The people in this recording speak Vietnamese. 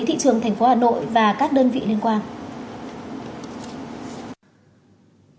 và các đơn vị liên quan